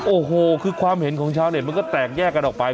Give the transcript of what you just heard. โอ้โหคือความเห็นของชาวเน็ตมันก็แตกแยกกันออกไป